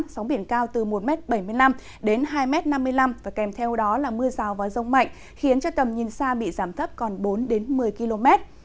sóng biển cao từ một bảy mươi năm m đến hai năm mươi năm và kèm theo đó là mưa rào và rông mạnh khiến cho tầm nhìn xa bị giảm thấp còn bốn đến một mươi km